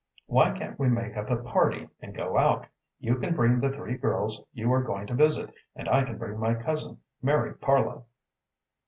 Why can't we make up a party and go out? You can bring the three girls you are going to visit, and I can bring my cousin, Mary Parloe."